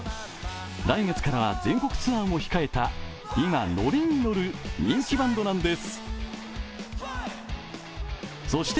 来月からは全国ツアーも控えた、今乗りに乗る人気バンドなんです。